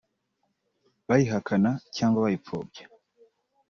bayihakana cyangwa bayipfobya